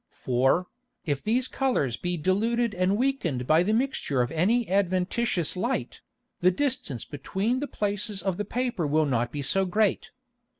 For, if these Colours be diluted and weakned by the Mixture of any adventitious Light, the distance between the Places of the Paper will not be so great.